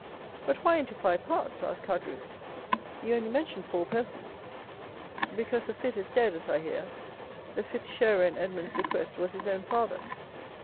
'" "But why into five parts?" asked Caderousse; "you only mentioned four persons." "Because the fifth is dead, as I hear. The fifth sharer in Edmond's bequest, was his own father."